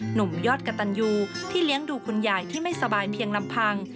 หนุ่มยอดกระตันยูที่เลี้ยงดูคุณยายที่ไม่สบายเพียงลำพัง